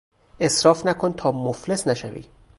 اسراف نکن تا مفلس نشوی